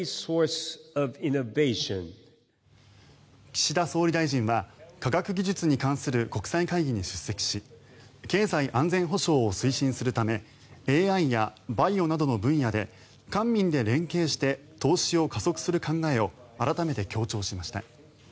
岸田総理大臣は科学技術に関する国際会議に出席し経済安全保障を推進するためＡＩやバイオなどの分野で官民で連携して投資を加速する考えを改めて強調しました。